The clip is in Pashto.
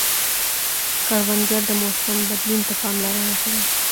کروندګر د موسم بدلون ته پاملرنه کوي